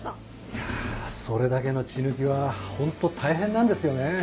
いやそれだけの血抜きはホント大変なんですよね。